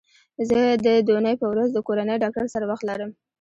زه د دونۍ په ورځ د کورني ډاکټر سره وخت لرم